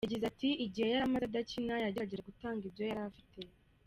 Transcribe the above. Yagize ati "Igihe yari amaze adakina, yagerageje gutanga ibyo yari afite.